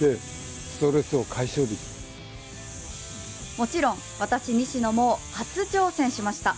もちろん私、西野も初挑戦しました！